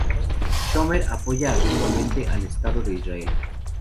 Schumer apoya activamente al Estado de Israel.